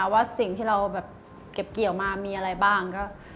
ว่าสิ่งที่เราเก็บเกี่ยวมามีอะไรบ้าง